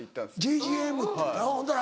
「ＧＧＭ」ってうんほんだら？